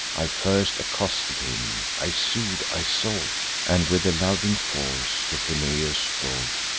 I first accosted him: I sued, I sought, And, with a loving force, to Pheneus brought.